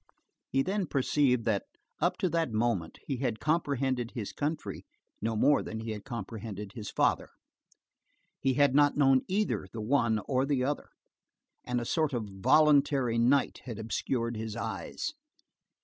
He then perceived that, up to that moment, he had comprehended his country no more than he had comprehended his father. He had not known either the one or the other, and a sort of voluntary night had obscured his eyes.